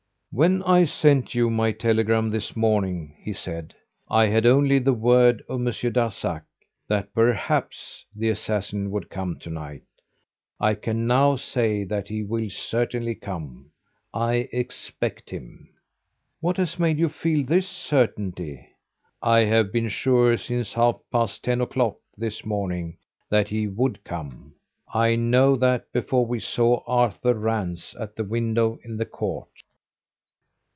"When I sent you my telegram this morning," he said, "I had only the word of Monsieur Darzac, that 'perhaps' the assassin would come to night. I can now say that he will certainly come. I expect him." "What has made you feel this certainty?" "I have been sure since half past ten o'clock this morning that he would come. I knew that before we saw Arthur Rance at the window in the court."